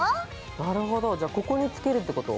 なるほどじゃあここに付けるってこと？